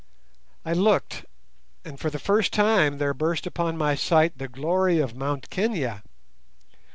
I looked, and for the first time there burst upon my sight the glory of Mount Kenia.